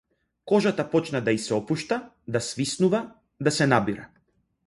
Кожата почна да и се отпушта, да свиснува, да се набира.